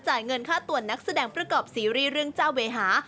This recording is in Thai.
เงินค่าตัวนักแสดงประกอบซีรีส์เรื่องเจ้าเวหา